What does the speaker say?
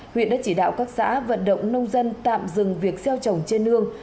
huyện đã chỉ đạo các xã vận động nông dân tạm dừng việc gieo trồng trên nương